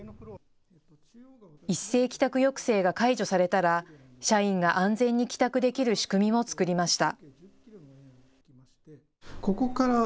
一斉帰宅抑制が解除されたら社員が安全に帰宅できる仕組みも作りました。